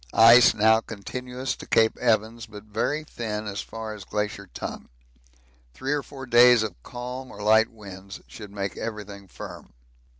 Ice now continuous to Cape Evans, but very thin as far as Glacier Tongue; three or four days of calm or light winds should make everything firm.